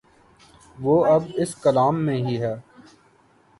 وہ اب اس کلام میں ہی ہے۔